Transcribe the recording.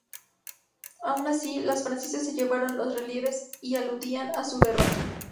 Aun así, los franceses se llevaron los relieves que aludían a su derrota.